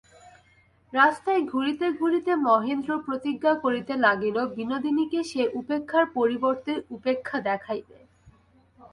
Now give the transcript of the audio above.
রাস্তায় ঘুরিতে ঘুরিতে মহেন্দ্র প্রতিজ্ঞা করিতে লাগিল, বিনোদিনীকে সে উপেক্ষার পরিবর্তে উপেক্ষা দেখাইবে।